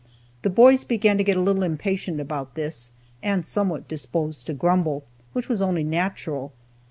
The boys began to get a little impatient about this, and somewhat disposed to grumble, which was only natural.